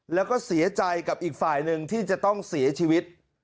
แล้วก็เสียใจกับอีกฝ่ายหนึ่งที่จะต้องเสียชีวิต